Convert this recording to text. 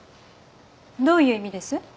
どういう意味です？